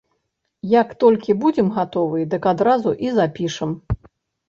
Як толькі будзем гатовыя, дык адразу і запішам.